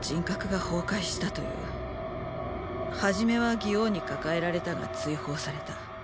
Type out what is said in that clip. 初めは魏王に抱えられたが追放された。